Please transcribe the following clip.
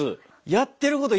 やってること。